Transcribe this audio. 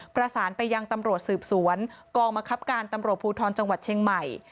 ประสานไปยังตำรวจสืบสวนกองบังคับการตำรวจภูทรจังหวัดเชียงใหม่